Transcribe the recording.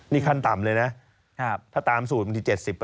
นี่ขั้นต่ำเลยนะถ้าตามสูตรบางที๗๐